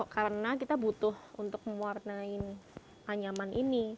karena kita butuh untuk mewarnai anyaman ini